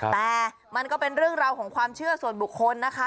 แต่มันก็เป็นเรื่องราวของความเชื่อส่วนบุคคลนะคะ